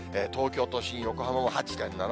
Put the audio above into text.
東京都心、横浜も８．７度。